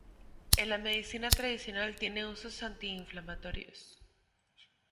En la medicina tradicional tiene usos antiinflamatorios.